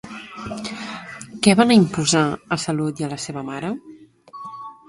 Què van imposar a Salut i a la seva mare?